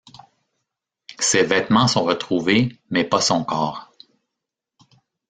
Ses vêtements sont retrouvés, mais pas son corps.